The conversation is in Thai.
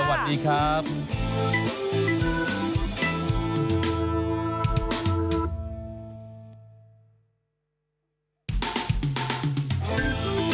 โปรดติดตามตอนต่อไป